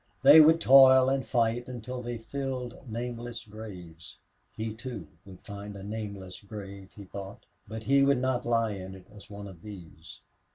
They would toil and fight until they filled nameless graves. He, too, would find a nameless grave, he thought, but he would not lie in it as one of these.